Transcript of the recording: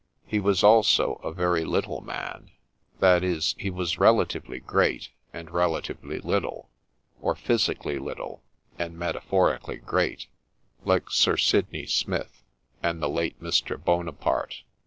He was also a very little man ; that is, he was relatively great, and relatively little, — or physically little, and metaphorically great, — like Sir Sidney Smith and the late Mr. Buonaparte.